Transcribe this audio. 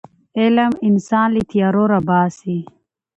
علم انسان له تیارو راباسي.